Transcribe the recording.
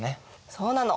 そうなの。